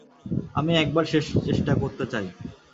আমি একবার শেষ চেষ্টা করতে চাই।